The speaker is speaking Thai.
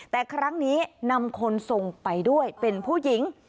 แต่ครั้งนี้นำคนทรงไปด้วยเป็นผู้หญิง